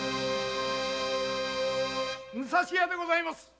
・武蔵屋でございます。